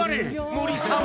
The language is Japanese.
森さん！